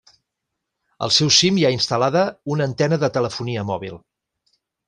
Al seu cim hi ha instal·lada una antena de telefonia mòbil.